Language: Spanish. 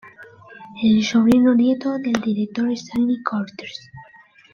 Es sobrino nieto del director Stanley Cortez.